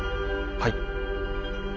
はい。